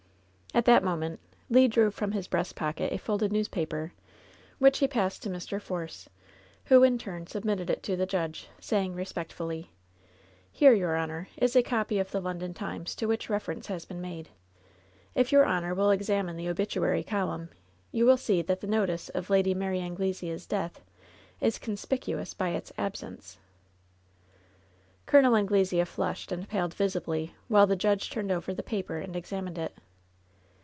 At that moment Le drew from his breast pocket a folded newspaper, which he passed to Mr. Force, who, in turn, submitted it to the judge, saying respectfully: "Here, your honor, is a copy of the London Times to which reference has been made. If your honor will ex amine the obituary column, you will see that the notice of Lady Mary Anglesea^s death is ^conspicuous by its absence.' " Col. Anglesea flushed and paled visibly while the judge turned over the paper and examined it.